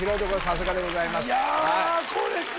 さすがでございます